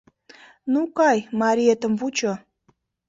Ну кай, мариетым вучо.